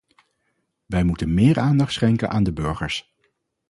Wij moeten meer aandacht schenken aan de burgers.